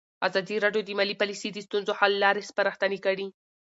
ازادي راډیو د مالي پالیسي د ستونزو حل لارې سپارښتنې کړي.